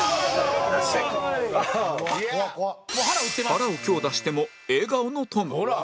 腹を強打しても笑顔のトム